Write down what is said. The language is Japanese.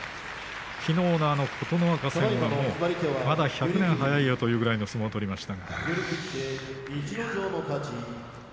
きのうの琴ノ若戦はまだ１００年早いよというような相撲を取りました。